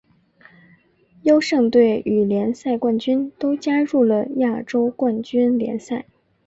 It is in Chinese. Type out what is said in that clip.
优胜队与联赛冠军都加入亚洲冠军联赛。